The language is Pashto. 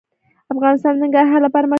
افغانستان د ننګرهار لپاره مشهور دی.